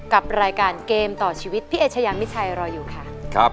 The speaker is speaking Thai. กับรายการเกมต่อชีวิตพี่เอชยามิชัยรออยู่ค่ะ